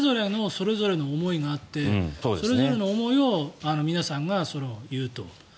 それぞれの思いがあってそれぞれの思いを皆さんが言うと。